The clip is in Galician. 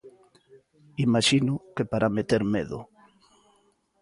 Imaxino que para meter medo.